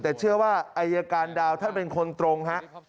แต่เชื่อว่าอัยการดาวน์ถ้าเป็นคนตรง